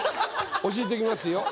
教えときますよ。